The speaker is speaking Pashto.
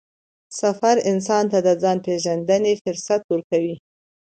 سفر انسان ته د ځان پېژندنې فرصت ورکوي